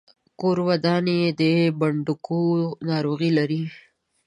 کورودانه يې د بډوګو ناروغي لري.